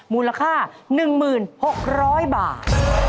มูลค่า๑๖๐๐บาท